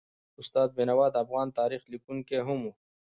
استاد بینوا د افغان تاریخ لیکونکی هم و.